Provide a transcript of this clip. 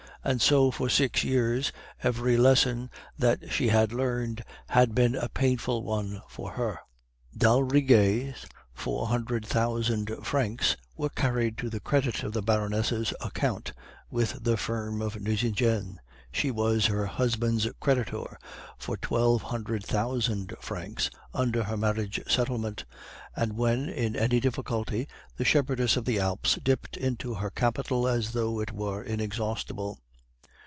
And so, for six years, every lesson that she had learned had been a painful one for her. "D'Aldrigger's four hundred thousand francs were carried to the credit of the Baroness' account with the firm of Nucingen (she was her husband's creditor for twelve hundred thousand francs under her marriage settlement), and when in any difficulty the Shepherdess of the Alps dipped into her capital as though it were inexhaustible.